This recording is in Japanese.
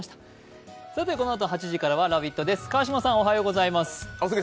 このあと８時からは「ラヴィット！」です。